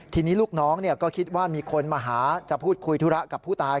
ทีนี้ลูกน้องก็คิดว่ามีคนมาหาจะพูดคุยธุระกับผู้ตาย